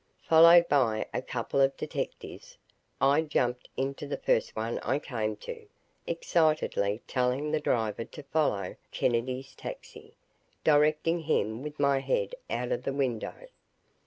Followed by a couple of the detectives, I jumped into the first one I came to, excitedly telling the driver to follow Kennedy's taxi, directing him with my head out of the window.